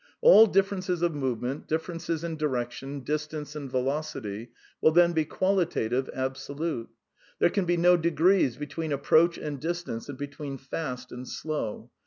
All differences of movement, differ ences in direction, distance and velocity, will then be quali tative, absolute. There can be no degrees between ap proach and distance and between fast and slow.